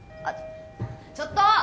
あっちょっと！